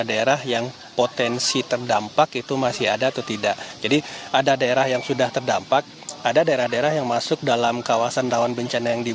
sehingga tanah datar yang hari sebelumnya dua puluh empat itu menjadi dua puluh empat